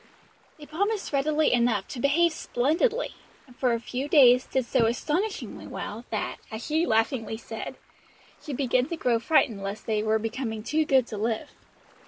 They promised readily enough to "behave splendidly" and for a few days did so astonishingly well that, as she laughingly said, "she began to grow frightened lest they were becoming too good to live."